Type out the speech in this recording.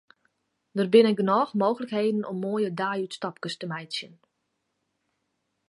Der binne genôch mooglikheden om moaie deiútstapkes te meitsjen.